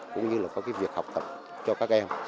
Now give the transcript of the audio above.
cũng như là có cái việc học tập cho các em